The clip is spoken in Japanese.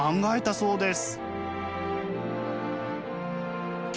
そうです。